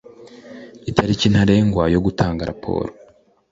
Itariki ntarengwa yo gutanga raporo